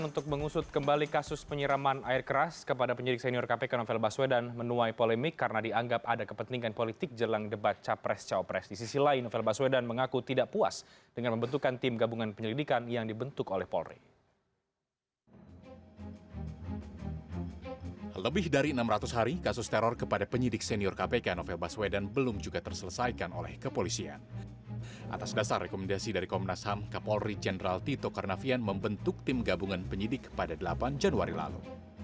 atas dasar rekomendasi dari komnas ham kapolri jenderal tito karnavian membentuk tim gabungan penyidik pada delapan januari lalu